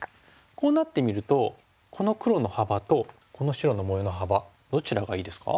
こうなってみるとこの黒の幅とこの白の模様の幅どちらがいいですか？